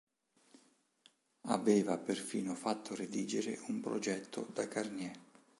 Aveva perfino fatto redigere un progetto da Garnier.